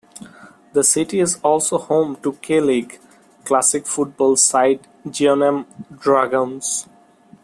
The city is also home to K League Classic football side Jeonnam Dragons.